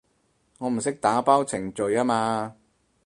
我唔識打包程序吖嘛